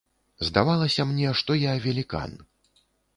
Здавалася мне, што я велікан.